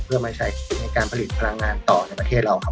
เพื่อมาใช้สิทธิ์ในการผลิตพลังงานต่อในประเทศเราครับ